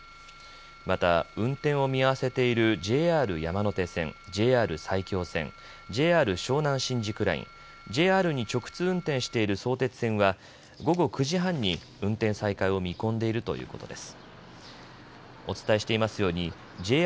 また運転を見合わせているＪＲ山手線、ＪＲ埼京線、ＪＲ湘南新宿ライン、ＪＲに直通運転している相鉄線は午後９時半に運転再開を見込んでいるということです。